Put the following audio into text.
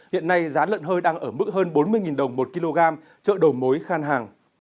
hiện nay giá lợn hơi đang ở mức hơn bốn mươi đồng một kg trợ đồ mối khan hàng